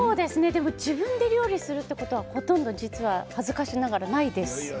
でも自分で料理をするということはほとんど実は恥ずかしながらないです。